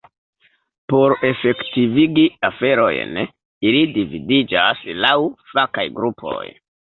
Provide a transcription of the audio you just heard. Por efektivigi aferojn, ili dividiĝas laŭ fakaj grupoj.